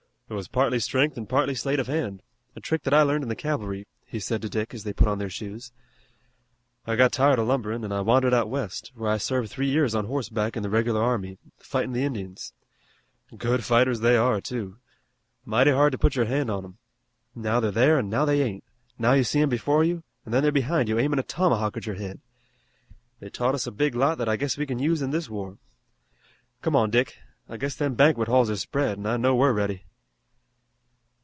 "It was partly strength and partly sleight of hand, a trick that I learned in the cavalry," he said to Dick as they put on their shoes. "I got tired of lumberin' an' I wandered out west, where I served three years on horseback in the regular army, fightin' the Indians. Good fighters they are, too. Mighty hard to put your hand on 'em. Now they're there an' now they ain't. Now you see 'em before you, an' then they're behind you aimin' a tomahawk at your head. They taught us a big lot that I guess we can use in this war. Come on, Dick, I guess them banquet halls are spread, an' I know we're ready."